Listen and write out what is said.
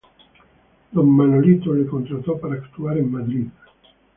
Don Manolito le contrató para actuar en Madrid.